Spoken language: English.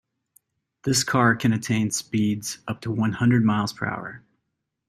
This car can attain speeds up to one hundred miles per hour.